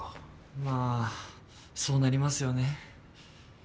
まあそうなりますよね。